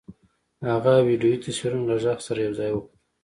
هغه ویډیويي تصویرونه له غږ سره یو ځای وکتل